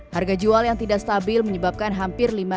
harga jual yang tidak stabil menyebabkan hampir lima ribu